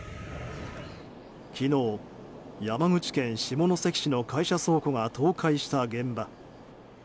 昨日、山口県下関市の会社倉庫が倒壊した現場。